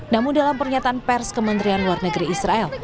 namun dalam pernyataan pers kementerian luar negeri israel